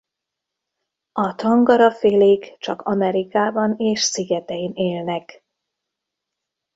A tangarafélék csak Amerikában és szigetein élnek.